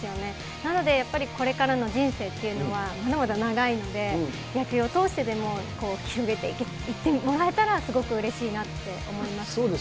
なので、やっぱりこれからの人生っていうのは、まだまだ長いので、野球を通してでも積み上げていってもらえたらすごくうれしいなって思います。